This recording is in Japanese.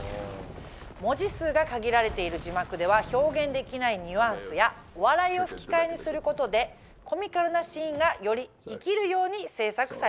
文字数が限られている字幕では表現できないニュアンスやお笑いを吹き替えにすることでコミカルなシーンがより生きるように製作されています。